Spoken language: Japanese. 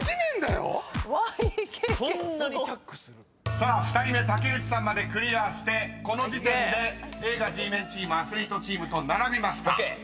［さあ２人目竹内さんまでクリアしてこの時点で映画Ｇメンチームアスリートチームと並びました］